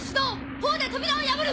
砲で扉を破る！